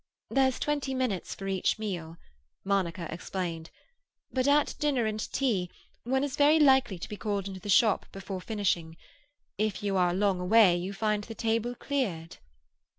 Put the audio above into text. "There's twenty minutes for each meal," Monica explained; "but at dinner and tea one is very likely to be called into the shop before finishing. If you are long away you find the table cleared."